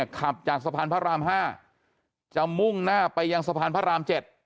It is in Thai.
ขับจากสะพานพระราม๕จะมุ่งหน้าไปยังสะพานพระราม๗